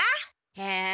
へえ。